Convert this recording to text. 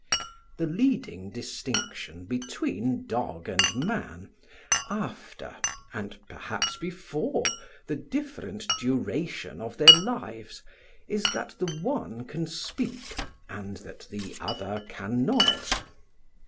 The leading distinction between dog and man, after and perhaps before the different duration of their lives, is that the one can speak and that the other cannot.